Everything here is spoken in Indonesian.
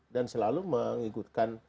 dan selalu mengikutkan